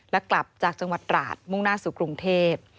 และกลับจากจังหวัดตราดมุ่งหน้าสู่กรุงเทพ